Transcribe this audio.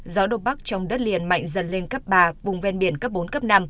gió đông bắc trong đất liền mạnh dần lên cấp ba vùng ven biển cấp bốn cấp năm